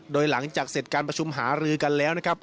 โดยหลังจากเสร็จการประชุมหารือกันแล้วนะครับ